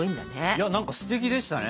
いや何かすてきでしたね。